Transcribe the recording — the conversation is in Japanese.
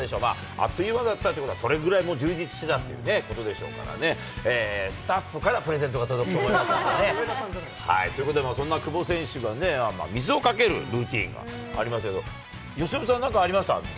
あっという間だったというか、それぐらいの充実してたってことでしょうからね、スタッフからプレゼントが届くと思いますんでね、ということで、そんな久保選手がね、水をかけるルーティンがありましたけど、由伸さんは何かありました？